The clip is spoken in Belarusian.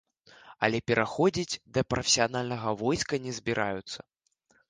Але пераходзіць да прафесіянальнага войска не збіраюцца.